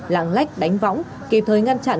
lãng lách đánh võng kịp thời ngăn chặn